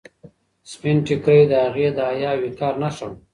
سپین ټیکری د هغې د حیا او وقار نښه وه.